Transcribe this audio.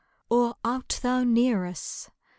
Or art thou near us ?